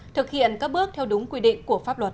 thực hiện các bước theo đúng quy định của pháp luật